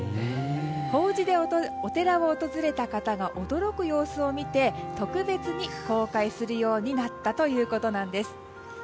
法事でお寺を訪れた方が驚く様子を見て特別に公開するようになったということなんです。